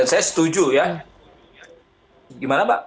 dan saya setuju ya gimana mbak